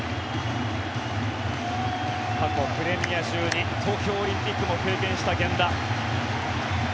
過去、プレミア１２東京オリンピックも経験した源田。